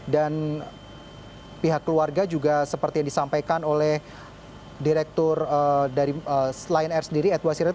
dan pihak keluarga juga seperti yang disampaikan oleh direktur dari lion air sendiri edwasirud